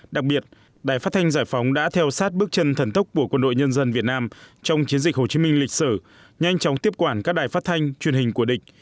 đặc biệt đài phát thanh giải phóng đã theo sát bước chân thần tốc của quân đội nhân dân việt nam trong chiến dịch hồ chí minh lịch sử nhanh chóng tiếp quản các đài phát thanh truyền hình của địch